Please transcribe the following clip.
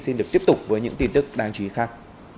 xin được tiếp tục với những tin tức đáng chú ý khác